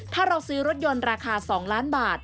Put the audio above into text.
ถ้าเราซื้อรถยนต์ราคา๒ล้านบาท